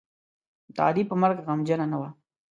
د علي په مرګ غمجنـه نه وه.